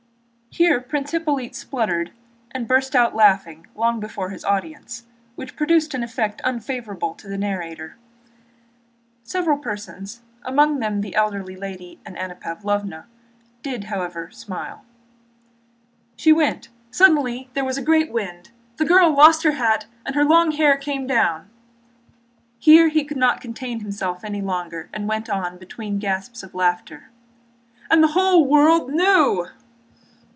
'" Here Prince Hippolyte spluttered and burst out laughing long before his audience, which produced an effect unfavorable to the narrator. Several persons, among them the elderly lady and Anna Pávlovna, did however smile. "She went. Suddenly there was a great wind. The girl lost her hat and her long hair came down...." Here he could contain himself no longer and went on, between gasps of laughter: "And the whole world knew...."